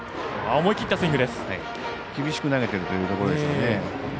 厳しく投げてるというところでしょうね。